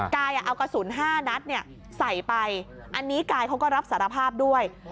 กายเอากระสุน๕นัดใส่ไปอันนี้กายเขาก็รับสารภาพด้วย